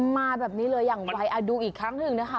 มาแบบนี้เลยอย่างไวดูอีกครั้งหนึ่งนะคะ